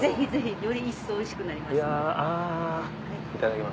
より一層おいしくなりますので。